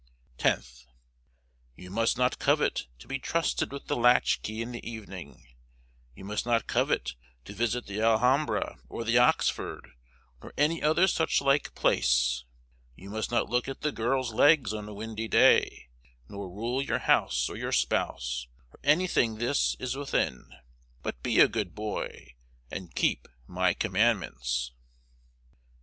10th. You must not covet to be trusted with the latch key in the evening, you must not covet to visit the Alhambra or the Oxford, nor any other such like place; you must not look at the girls' legs on a windy day, nor rule your house or your spouse, or anything this is within, but be a good boy and keep my commandments.